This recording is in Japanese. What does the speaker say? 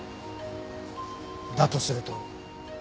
だとすると。